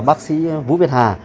bác sĩ vũ việt hà